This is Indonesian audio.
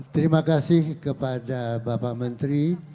terima kasih kepada bapak menteri